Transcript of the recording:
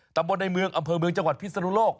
ตำบลในเมืองอำเภอเมืองจังหวัดพิศนุโลก